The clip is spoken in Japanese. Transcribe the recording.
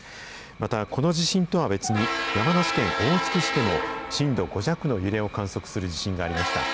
またこの地震とは別に、山梨県大月市でも震度５弱の揺れを観測する地震がありました。